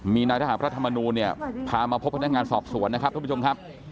มีนายทหารพระธรรมนูลเนี่ยพามาพบพนักงานสอบสวนนะครับท่านผู้ชมครับ